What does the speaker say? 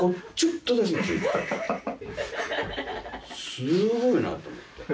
すごいなと思って。